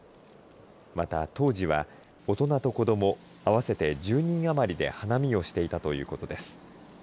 また、当時は大人と子ども合わせて１０人余りで花見をしていたということです。